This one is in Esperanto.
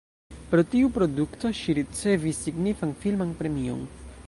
Pro tiu produkto ŝi ricevis signifan filman premion.